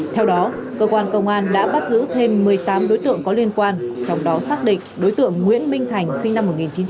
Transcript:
theo đó cơ quan công an đã bắt giữ thêm một mươi tám đối tượng có liên quan trong đó xác định đối tượng nguyễn minh thành sinh năm một nghìn chín trăm tám mươi